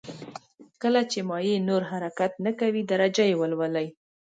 کله چې مایع نور حرکت نه کوي درجه یې ولولئ.